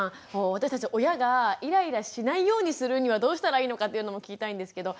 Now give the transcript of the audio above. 私たち親がイライラしないようにするにはどうしたらいいのかっていうのも聞きたいんですけど。